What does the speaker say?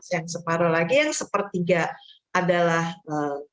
yang separoh lagi yang sepertiga adalah anggur